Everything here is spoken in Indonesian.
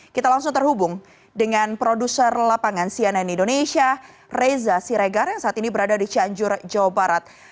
kita langsung terhubung dengan produser lapangan cnn indonesia reza siregar yang saat ini berada di cianjur jawa barat